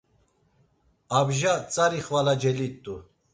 Abja tzari xvala celit̆u.